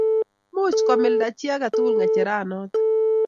much komilda chi age tugul ng'echere nito